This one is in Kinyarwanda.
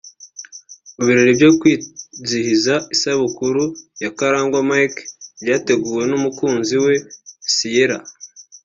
Mu birori byo kwizihiza isabukuru ya Karangwa Mike byateguwe n’umukunzi we Ciella